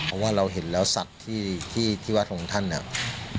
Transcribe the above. เพราะว่าเราเห็นแล้วสัตว์ที่วัดของท่านเนี่ย